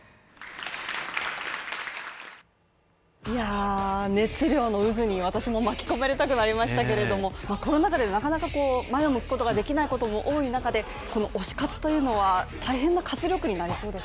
いやあ熱量の渦に私も巻き込まれたくなりましたけどコロナ禍でなかなかこういうことができないことも多い中で、この推し活というのは大変な活力になりそうです